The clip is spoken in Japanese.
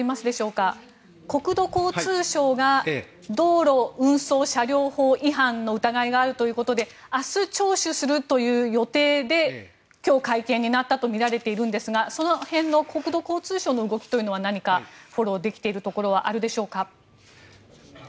国土交通省が道路運送車両法違反の疑いがあるということで明日、聴取するという予定で今日会見になったとみられていますがその辺の国土交通省の動きというのは何かフォローできているところはあるでしょうか。